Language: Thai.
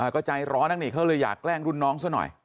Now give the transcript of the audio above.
ก็ใจร้อนนะนี่เขาเลยอยากแกล้งรุ่นน้องซะหน่อย